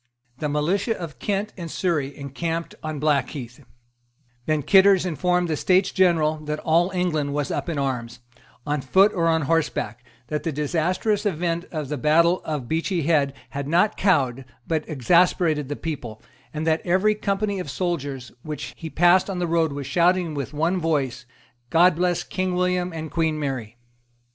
The militia of Kent and Surrey encamped on Blackheath, Van Citters informed the States General that all England was up in arms, on foot or on horseback, that the disastrous event of the battle of Beachy Head had not cowed, but exasperated the people, and that every company of soldiers which he passed on the road was shouting with one voice, "God bless King William and Queen Mary."